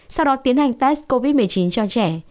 sau đó tiến hành test covid một mươi chín cho trẻ